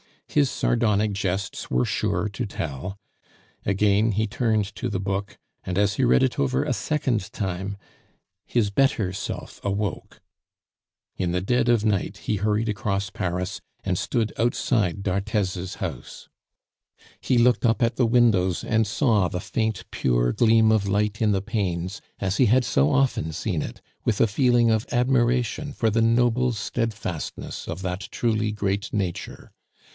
His sardonic jests were sure to tell. Again he turned to the book, and as he read it over a second time, his better self awoke. In the dead of night he hurried across Paris, and stood outside d'Arthez's house. He looked up at the windows and saw the faint pure gleam of light in the panes, as he had so often seen it, with a feeling of admiration for the noble steadfastness of that truly great nature.